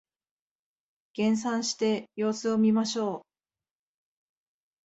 減産して様子を見ましょう